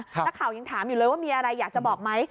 นักข่าวยังถามอยู่เลยว่ามีอะไรอยากจะบอกไหม